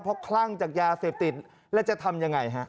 เพราะคลั่งจากยาเสพติดแล้วจะทำยังไงฮะ